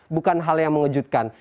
bukan hal yang mengejutkan